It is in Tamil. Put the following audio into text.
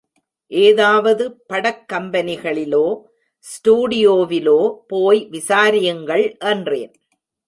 ஏதாவது படக் கம்பெனிகளிலோ, ஸ்டுடியோவிலோ போய் விசாரியுங்கள் என்றேன்.